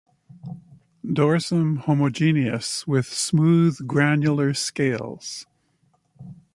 Dorsum homogeneous with smooth granular scales.